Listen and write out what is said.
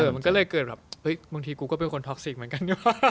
มันก็เลยเกิดแบบเฮ้ยบางทีกูก็เป็นคนท็อกสิกเหมือนกัน